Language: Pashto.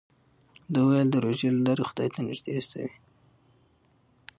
ده وویل چې د روژې له لارې خدای ته نژدې شوی.